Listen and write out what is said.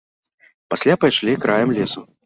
Пасля пайшлі краем лесу.